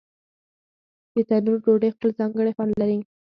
د تنور ډوډۍ خپل ځانګړی خوند لري.